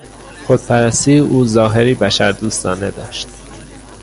خود پرستی او ظاهری بشر دوستانه داشت.